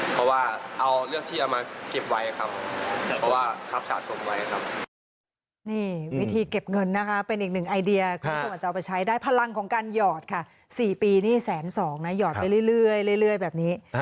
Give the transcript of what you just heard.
เพราะว่าเอาเลือกที่เอามาเก็บไว้ครับเพราะว่าเขาสะสมไว้ครับ